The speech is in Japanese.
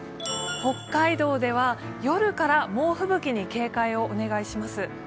北海道では夜から猛吹雪に警戒をお願いします。